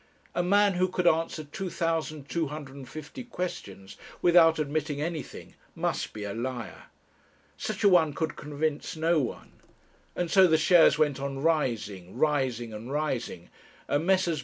A man who could answer 2,250 questions without admitting anything must be a liar! Such a one could convince no one! And so the shares went on rising, rising, and rising, and Messrs.